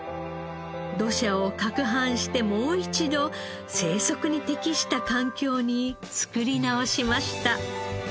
土砂を攪拌してもう一度生息に適した環境に作り直しました。